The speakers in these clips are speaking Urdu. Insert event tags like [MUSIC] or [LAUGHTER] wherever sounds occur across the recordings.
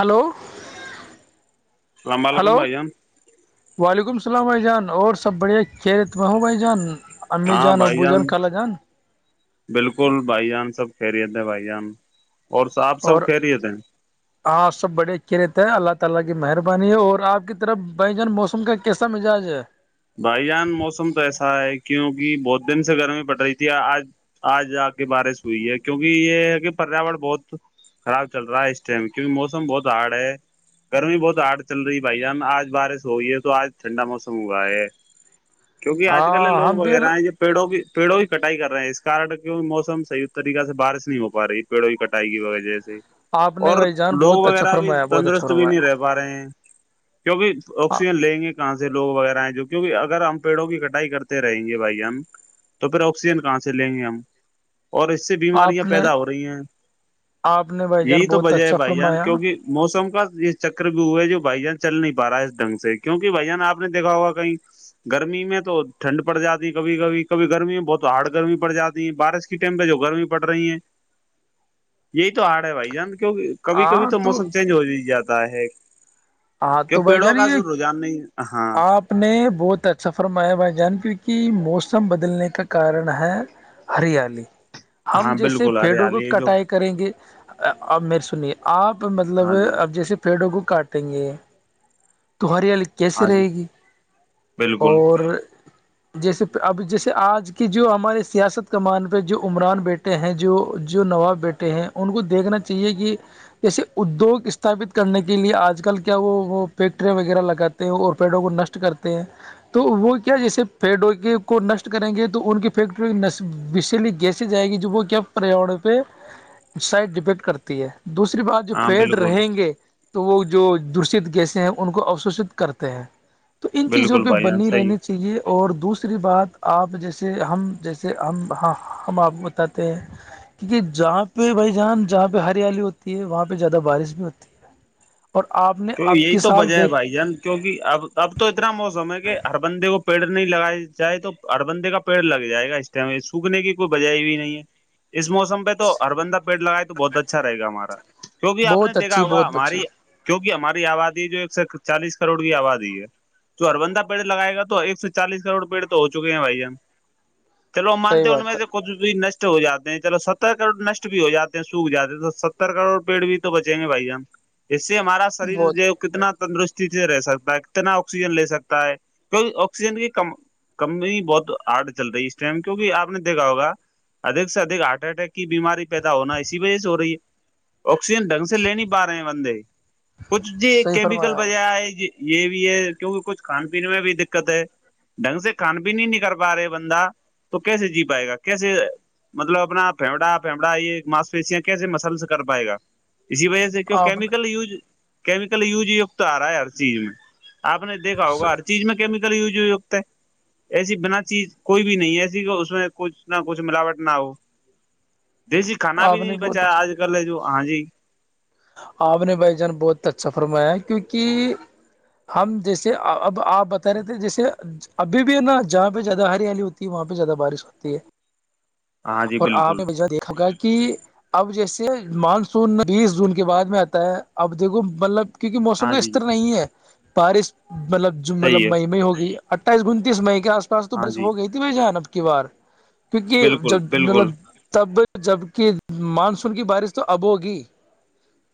ہلو السلام علیکم ہلو بھائی جان وعلیکم السلام بھائی جان اور سب بڑھیا خیرتم ہوں بھائی جان امی ہاں بھائی ابو جان خالہ جان بالکل بھائی جان سب کہری تھے بھائی جان اورا آپب سب اور کہ رہیے تھے ہاں سب بڑے کی رہتے ہیں اللہ تعالی کی مہربانی ہے اور آپ کی طرف بھ جان موسم کا کیسا مزاج ہے بھائی جان موسم تو ایسا ہے کیونکہ بہت دن سے گرمی پڑ رہی تھی آج آج آ کے بار س ہوئی ہے کیونکہ یہ ہے کہ پریاورن بہت خراب چل رہا ہے اس ٹائم کیونکہ موسم بہت ہارڈ ہے گرمی بہت آڑ چل رہی ہے بھائی جان آج بارش ہو رہئی ہے تو آج ٹھنڈا موسم ہوا ہے کیونکہ آج کل ہاں لوگ ہم بھی وغیرہ ہیں ج جو پیڑوں بھی پیڑوں بھی کٹائی کر رہے ہیں اس کن کی موسم صحیح طریقے سے بارش نہیں ہو پا رہی پیڑوں کی کٹائی کی وہہ سے آپ نے اور بھائی جان لوگ بہت اچھا وغیرہ بھی فرمایا بہت اچھا تندرست بھی نہیں رہ فرمایا ا رہے ہیں کیونکہ آکسیجن لیں گے کہاں سے لوگ وغیرہ ہیں جو کیکہ اگر ہم پیڑوں کی کٹائی کرتے رہیں گے بھائی ہم تو پھر آکسیجن کہاں سے لیں گے ہم اور اس سے آپ بیماریاں نے پیدا ہو رہی ہیں آپ نے بھائی یہی جان تو بہت وجہ ہے اچھا بھائی جان فرمایا کیونکہ موسم کا یہ چکر بھی ہوا ہے جو بھائی جان چل نہیں پا رہا ہے اس ڈھنگ سے کیونکہ بھائی جان آپ نے دیکھا ہوگا کہیں گرمی میں تو ٹھنڈ پڑ جاتی ہے کبھی کبھی کبھی گرمی میں بہت تو ہارڈ گرمی پڑ جاتی ہے بارش ٹیم پ جو گرمی پڑ رہی ہے یہی تو ہ رہا بھائی جان کیک کبھی کبھی تو موسم چینج ہو ہی جاتا ہے ہاں کہ تو بھائی پیڑوں جانے کا جو رجحان نہیں ہے، ہاں آپ اپنے بہت اچھا فرمایا بھائی جان کیوںک موسم بدلنے کا کارن ہے ہریالی ہاں ہم جیسے بالکل پیڑوں کو ہریالی ہے جو کٹائی کے کریں گے اب میرے سنیے آپ مطلب ہاں جی اب جیسے پیڑوں کو کاٹ کت گے تو ہریال کیسے ہاں جی رہے گی بالکل اور جیسے اب جیسے آج کی جو ہمارے سیاست کمان پہ جو عمران بیٹھے بیے ہیں جو جو نواب بیٹے ہیں ان کو دیکھنا چاہیے کہ جیسے ادیوگ استھاپت کرنے کے لیے آج آج کل کیا وہ وہ فیکٹریاں وغیرہ لگاتے ہیں اور پیڑوں کو نشٹ کرتے ہیں تو وہ کیا جیسے پیڈو کے کو نشٹ کریں گے تو ان کی فیکٹری بشلی گیس جائے گی جو وہ کیا پریاور پہ سائڈ ڈیپینڈ کرتی ہے دوسری بات جو ہاں پیڑ بالکل رہیں گے تو وہ جو دشت گیسے ہیں ان کو اشوشت کرتے ہیں تو ان چیزوں بالکل پہ بھائی جان بنی صحیح رہنے چ کہ یہ اور دوسری بات آپ جیسے ہم جیسے ہم ہاں ہم آپ کو بتاتے ہیں کیونکہ جہاں پہ بھائی جان جہاں پہ ہریالی ہوتی ہے وہاں پہ زیادہ بارش بھی ہوتی ہے اور آپ نے تو اب یہی کی تو سال وجہ ہے دیکھ بھائی جان کیوںکہ اب اب تو اتنا موسم ہے کہ ہر بندے کو پیڑ نہیں لگاائے جائے تو ہر بندے کا پیڑ لگ جائے گا اس سوکھنے کی کوئی بجائے بھی نہیں ہے اس موسم پ تو ہربندا پیٹ لگائے تو بہت اچھا رہے گا ہمارا کیکہ آپ نے بہت دیکھا اچھی ہوگا بہت بچی ہماری کیوںکہ ہماری آبادی جو ایک سے چالیس کروڑ کی آبادی ہے جو اربند پڑ لگائے گا ایک سے چالس کروڑ پیڑ تو ہو چکے ہیں بھائی جان چلو وہ صحیح مانتے ہیں ان میں بات ہے سے بھی نشٹ ہو جاتے ہیں چلو ستر کروڑ نشٹ بھی ہو جاتے ہیں سوکھ جاتے ہیں تو ستر کروڑ پیڑ بھی بچیں گے بھائی ہم اس سے ہمارا شریر بہت جو کتنا تندرستی سے رہ سکتا ہے کتنا آکسیجن لے سکتا ہے کی آکسیجن کی کم کم بھی بہت آرڈ چلتا ہے اس ٹائم کیونکہ آپ نے دیکھا ہوگا ادک سے اھک ہارٹ اٹیک کی بیماری پیدا ہونا اسی وجہ سے ہو رہی ہے آکسیجن ڈھنگ سے لے نہیں پا رہے ہیں بندے کچھ جی صحیح کیمیکل فرمایا بج ہے یہ بھی ہے کیونکہ کچھ کھان پینے میں بھی دقت ہے ڈھنگ سے کھان بھی نہیں ن کرل پا رہے بندہ تو کیسے جی پائے گا کیسے مطلب اپنا پھیمڑا پھیڑا یہ ماس پیشیاں کیسے مسلس کر پائے گا اسی وجہ سے آپ نے کیمیکل یوز کیمیکل یوز کت آ رہا ہے ہر چیز میں آپ نے دیکھا ہوگا ہر چیز میں کیمیکل یوز ہو ہوتے ایسی بنا چیز کوئی بھی نہیں ایسی کہ اس میں کچھ نہ کچھ ملاوٹ نہ ہو دیسی کھانا بھی آپ نے نہیں بہت بچایا اچھا آج کل جو ہاں جی آپ نے بھائی جان بہت اچھا فرمایا کیونکہ ہم جیسے اب آپ بتا رہے تھے جیسے ابھی بھی ہے نا جہاں پہ زیادہ ہریالی ہوتی ہے وہاں پہ زیادہ بارش ہوتی ہے ہاں جی اور آپ بالکل نے بجا دیکھا گا کہ کہ اب جیسے مانسون بیس جون کے بعد میں آتا ہے اب دیکھو مطلب کیونکہ موسم ہاں کا جی استر نہیں ہے بارش مطلب مطلب صحیح ہے مئی میں ہوگئی اٹھائیس گنتیس مئی کے آس پاس تو ہاں بس جی ہو گئی تھی بھائی جان اب کی بار کیونکہ بالکل جب بالکل مطلب تب جب کہ مانسون کی بارش تو اب ہوگی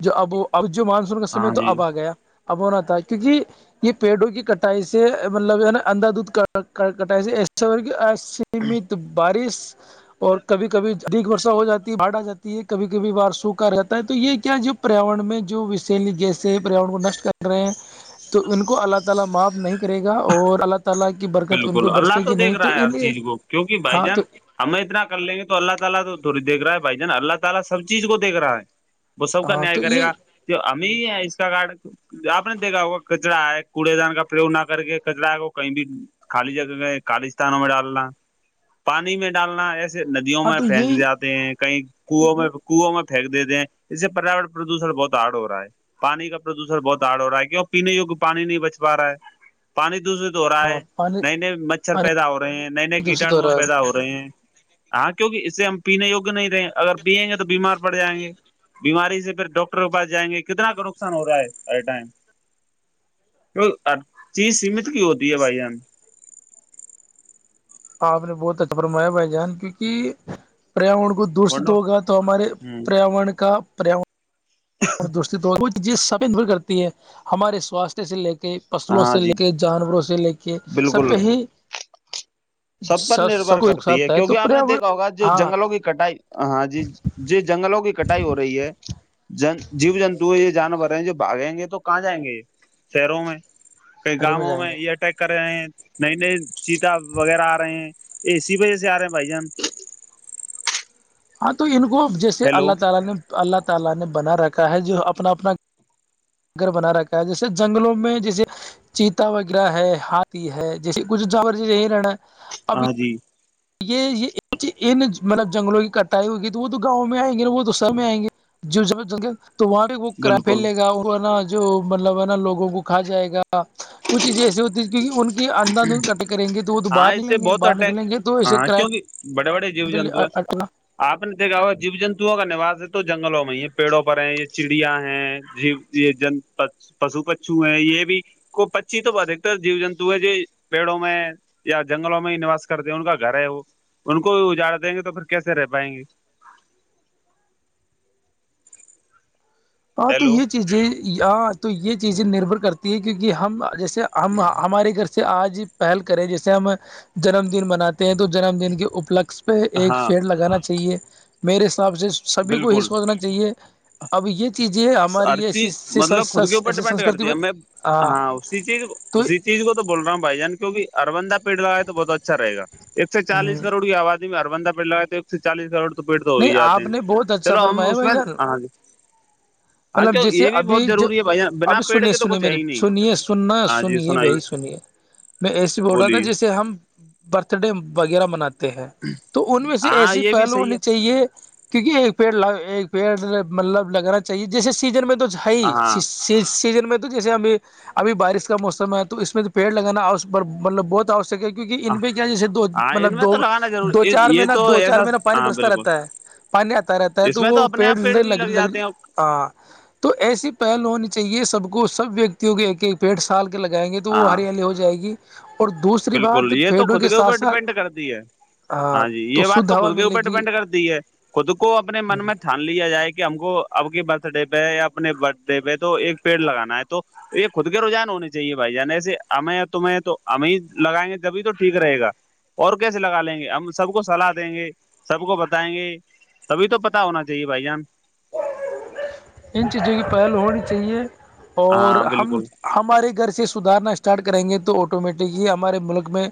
جو اب وہ اب جو مانسون کا سمے ہاں تو جی اب آ گیا اب ہونا تھا کیونکہ یہ پیڑوں کی کٹائی سے مطلب نا اندھا دودھ کٹائی سے ایس سیمت بارش اور کبھی کبھی دیگ بورشا ہو جاتی ہے باڑ آ جی ہے کبھی کبھی بار سوکھا رہتا ہے تو یہ کیا جو پریاورن میں جو وشیلی جیسے پریاورر کو نشٹ کر رہے ہیں تو ان کو اللہ تعالی معاف نہیں کرے گا اور اللہ ت کی برکت ان پہ بالکل اللہ برسے گی نہیں دیکھ تو رہا ہے ہر ان چیز کو کیونکہ بھائی ہاں تو جان ہمیں اتنا کر لیں گے تو اللہ تعال تو تھوی دیکھ رہا ہے بائی جان اللہ تعال سب چیز کو دیک رہا ہے وہ سب کا ہاں نیائے تو کرے گا یہ تو اھی ہے اس کا کارڈ آپ نے دیکھا ہوگا کچرا ہے کوڑے دان کا پو نہ کر کے کچرا ہے وہ کہیں بھی خالی جگہ میں کالیستتھانوں میں ڈالنا پانی میں ڈالنا ایسے ج ندیوں ہاں میں تو پھینک یہی جاتے ہیں کئی کنو میں کنووں میں پھینک دیتے ہیں اس سے پریاورن پردوشن بہت آرڑ ہو رہا ہے پانی کا پردوشن بہت آڑ ہو رہا ہے کیوں پینے وگ پانی نہیں بچ پا رہا ہے پانی تو اسرے د ہو رہا ہے ہاں پانی نئے نئے مچھر پانی پیدا ہو رہے ہیں نئے نئے دوشت کیٹاانو رہا ہے پیدا ہو رہے ہیں ہاں کیوںکہ اس سے ہم پینے یگ نہیں رہے اگر پیئیں گے تو بیمار پڑ جائیں گے بیماری سے پھر ڈاکٹر کے پس جائیں گے کتنا کا نقصان ہو رہا ہے اے ٹائم ہر چیز سیمت کی ہوتی ہے بھائی ہم ہم آپ نے بہت اچھا فرمایا بھائی جان کیونکہ پریااور کو دشت بولو ہوگا تو ہمارے ہوں پر کا پر ہو کو چیز سب دور کرتی ہے ہمارے سواستھ سے لے کے کے فصلوں سے ہاں لے جی کے جانوروں سے لے کے سب بالکل ہی سب پر نربھر کو نقصان کرتی ہے ہوتا تو کیونکہ آپ نے پریاورن دیکھا ہوگا جو ہاں جنگلوں کی کٹائی ہاں جی جی جنگلوں کی کٹائی ہو رہی ہے جن جیو جنتو ہے یہ جانور ہیں جو بھاگیں گے تو کہاں جائیں گے یہ شیروں میں کئی شہر گاؤوں جائیں میں گے یہ اٹیک کر رہے ہیں نئی نئی سیتا وغیرہ آ رہے ہیں اسی وجہ سے آ رہے ہیں بھائی جان ہاں تو ان کو اب جیسے ہیلو اللہ تعالی نے اللہ تعالی نے بنا رکھا ہے جو اپنا اپنا گھر بنا رکھا ہے جیسے جنگلوں میں جیسے چیتا وغیرہ ہے ہاتھی ہے جیسے کچھ جوریز یہی رہنا ہے [INAUDIBLE] ہاں جی یہ یہ ان مطلب جنگلوں کی کٹائی ہوگی تو وہ تو گاؤں میں آئیں گے وہ تو سر میں آئیں گے [INAUDIBLE] جو تو وہاں بھی وہ کر بالکل پھیلے گا وہ ہے نا جو مطلب ہے نا لوگوں کو کھا جائے گا [INAUDIBLE] کچھ چیزیں ایسی ہوتی ہیں کی ان کے اندھ اند کٹ کریں گے تو وہ تو باہر ہاں اس سے نکلیں گے بہت باہر اٹیک نکلیں گے تو [INAUDIBLE] ہاں کرائم کیونکہ بڑے بڑے جیب جنتو ہے [INAUDIBLE] آپ نے دیکھا ہوا جی جنتوؤں کا نوس ہے تو جنگلوں میں ہی ہے پیڑوں پر ہے یہ چڑیا ہیں جی [INAUDIBLE] یہ جن پشو پچو ہیں یہ بھی کو پچی تو ادھکتر جی جنت [INAUDIBLE] تو جی پیڑوں میں یا جنگلوں میں ہی نواس کرتے ہیں ان کا گھر ہے وہ [INAUDIBLE] ان کو بھی اجاڑ دیں گے تو پھر کیسے رہ پائیں گے ہاں تو ہیلو یہ چیزیں ہاں تو یہ چیزیں نربھر کرتی ہے کیونکہ ہم جیسے ہم ہمارے گھر سے آج ہی پہل کریں جیسے ہم جنم دن مناتے ہیں تو جنم دن کے اپلک پہ ایک ہاں پیڑ لگانا چاہیے میرے حساب سے سبھی کو یہ بالکل سوچنا چاہیے اب یہ چیزیں ہماری ہر ای ایسی چیز مطلب خود کے اوپر ڈیپینڈ سنسکرتی کرتی ہے پر [INAUDIBLE] میں ہاں اسی چیز تو اسی چیز کو تو بول رہا ہوں بھائی جان کیونکہ ہر بندہ پیڑ لگائے گا تو بہت اچھا رہے گا ایک سو چالیس نہیں کروڑ کی آبادی میں ہر بندہ پیڈ لگائے تو سے چالیس کروڑ تو پیڑ تو ہو ہی جاتے آپ ہیں نے بہت اچھا چلو ہم فرمایا اس بھائی میں جان آ گ مطلب جیسے ابھی بہت جو ضروری ہے بھائی جان، بنا ابھی پیڑ سنیے کے تو سنیے کچھ ہے میری ہی نہیں سنیے سننا ہاں جی سنیے سنائیے بھائی سنیے میں ایسے بول رہا تھا بولیے جیسے ہم برتھ ڈے وغیرہ مناتے ہیں تو ان میں سے ہاں ایسی یہ بھی پہلو صحیح ہونی چاہیے کیونکہ ایک پیڑ ایک پیڑ مطلب لگانا چاہیے جیسے سیزن میں تو ہے ہی سی سیزن میں تو جیسے ہمیں ابھی بارش کا موسم ہے تو اس میں تو پیڑ لگانا مطلب بہت آوشیک ہے کیونکہ ان پہ کیا جیسے دو ہاں ان مطلب میں دو تو لگانا ضرور دو چار یہ مہینہ تو دو چار ایسا مہینہ پانی ہاں برستتا بالکل رہتا ہے پانی آتا رہتا ہے اس تو میں وہ اپنے پیڑ آپ بھی لگ لگ جاتے ہیں ہاں تو ایسی پہل ہونی چاہیے سب کو سب ویکتیوں کی ایک ایک پیڑ سال کے لگائیں گے تو وہ ہاں ہریالی ہو جائے گی اور دوسری بالکل بات یہ تو پیڑوں خود کے ساتھ اوپر ساتھ ڈیپینڈ کرتی ہے ہاں جی یہ بات شدھ تو ہوا خود کے ملے اوپر گی ڈیپینڈ کرتی ہے خود کو اپنے من میں ٹھان لیا جائے کہ ہم کو اب کے برتھ ڈے پہ یا اپنے برتھ ڈے پہ تو ایک پیڑ لگانا ہے تو تو یہ خود کے رجان ہونے چاہیے بھائی جان ایسے ہممیں تمہیں تو ہمیں [INAUDIBLE] لگائیں گے تبھی تو ٹھیک رہے گا اور کیسے لگا لیں گے ہم سب کو صلاح دیں گے سب کو بتائیں گے تبھی تو پتا ہونا چاہیے بھائی جان ان چیزوں کی پہلو ہونی چاہیے اور ہاں ہم بالکل ہمارے گھر سے سدھارنا اسٹارٹ کریں گے تو آٹومیٹکلی ہمارے ملک میں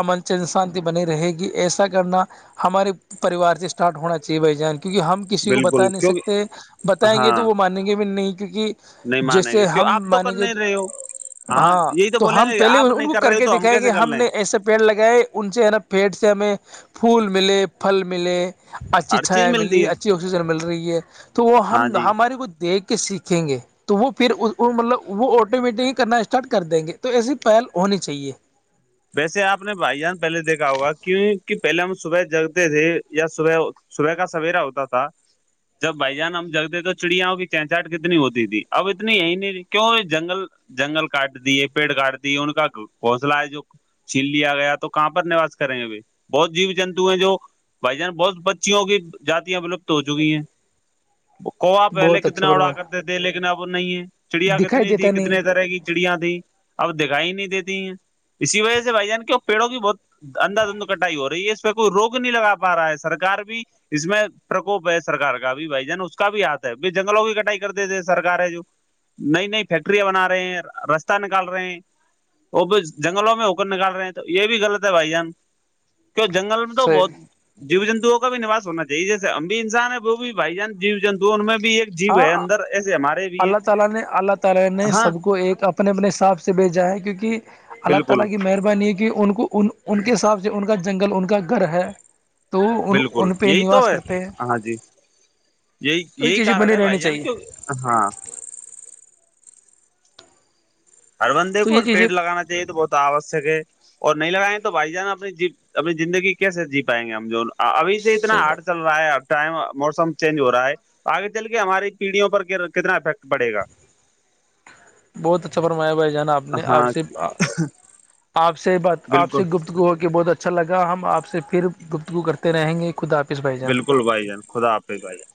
امن چین شانتی بنی رہے گی ایسا کرنا ہمارے پریوار سے اسٹارٹ ہونا چاہیے بھائی جان کیونکہ ہم کسی کو بتا بالکل نہیں سکتے کیونکہ بتائیں گے تو ہاں وہ مانیں گے بھی نہیں کیونکہ نہیں مانیں جیسے گے کیوں ہم آپ تو کر مانیں گے نہیں رہے ہو ہاں یہی تو بولیں ہم گے پہلے آپ ان نہیں کو کر رہے ہو کے تو دکھائیں گے کہ کیسے کر ہم نے لیں ایسا پیڑ لگائے ان سے ہے نا پیڑ سے ہمیں پھول ملے پھل ملے اچھی ہر چیز چھایا ملی ملتی ہے اچھی آکسیجن مل رہی ہے تو وہ ہاں ہم جی ہمار کو دیکھ کے سیکھیں گے تو وہ پھر مطلب وہ آٹومیٹکلی کرنا ہے اسٹارٹ کر دیں گے تو ایسی پہل ہونی چاہیے ویسے آپ نے بھائی جان پہلے دیکھا ہوگا کہ کہ پہلے ہم صبح جگتے تھے یا صبح صبح کا سویرا ہوتا تھا جب بھائی جان ہم جگتےے تو چڑیاں کی چہچاہٹ کتنی ہوتی تھی اب اتنی یہی نہیں کیوں جنگل جنگل کاٹ دیے پیڑ کاٹ دیے ان کا گھصلہ ہے جو چھین لیا گیا تو کہاں پر نوس کریں گ بہت جیو جنتو ہیں جو بھائی جانس بہت بچیوں کی جاتیاں ولپت ہو چکی ہیں کووا پہلے بہت کتنا اچھا اڑا پرگرام کرتے تھے لیکن اب نہیں ہے چڑیا دکھائی کتنی تھی دیتا نہیں کتنے طرح کی کچڑیاں تیں اب دکھائی نہیں دیتی ہیں اسی وجہ سے بھائی جان کے پڑوں بھی بہت اننددا دھند کٹائی ہو رہی ہے اس پہ کوئی روک نہیں لگا پا رہا ہے سرار بھی اس میں پرکوپ ہے سرار کا بھی بھائی جان اس کا بھی ہاتھ ہے ب جنگلوں کی کٹائی کر دی تھے سرار ہے جو نئی نئی فیکٹریاں بنا رہے ہیں راستہ نکال رہے ہیں وہ بھی جنگلوں میں ہوکر نکال رہے ہیں تو یہ بھی غلط ہے بھائی جان کی جنگل میں تو صحیح بہت جیو جنتوؤں کا بھی نوس ہونا چاہیے جیسے ہم بھی انسان ہے وہ بھی بھائی جان جیو جنتو ان میں بھی ایک جیو ہے اندر ایسے ہمارے بھی ہیں اللہ تعالی نے اللہ تعالی نے ہاں سب کو ایک اپنے اپنے حساب سے بھیجا ہے کیونکہ اللہ بالکل تعالی کی مہربانی ہے کہ ان کو ان ان کے حساب سے ان کا جنگل ان کا گھر ہے تو ان بالکل ان پہ یہی نواس تو ہے کرتے ہیں ہاں جی یہی تو یہ یہی چیزیں کارن بنی ہے رہنی بھائی یع چاہیے کہ ہاں ہر بندے تو کو یہ پی چیزیں لگان چاہیے تو بہت آوشک ہے اور نہیں لگائیں تو بھائی جانا اپنی اپنی زندگی کیسے جی پائیں گے ہم جو ابھی سے اتنا صحیح ہارڈ بات چل رہ رہا ہے ا ٹائم موسم چینج ہو رہا ہے تو آگے چل کے ہماری پیڑھیوں پر کتنا افیکٹ پڑے گا بہت اچھا فرمایا بھائی جانا آپ نے ہاں آپ سے آپ سے ب آپ بالکل سے گپتگو ہو کے بہت اچھا لگا ہم آپ سے پھر گپتگو کرتے رہیں گے خدافس بائی بالکل بھائی جان خدا آپ ہی بھائی جان